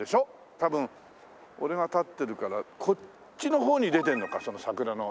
多分俺が立ってるからこっちの方に出てるのかその桜の画は。